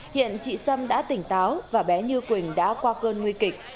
hiện chị sâm đã tỉnh táo và bé như quỳnh đã qua cơn nguy kịch